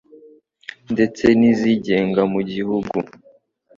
ndetse n izigenga mu gihugu